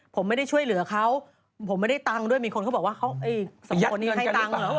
ผมไม่ได้ช่วยเหลือเขาผมไม่ได้ตังค์ด้วยมีคนเขาบอกว่าเขาสองคนนี้ให้ตังค์เหรอ